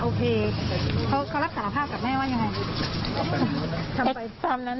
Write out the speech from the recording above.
มันเป็นของเราหรือว่าใช้เรื่องกัน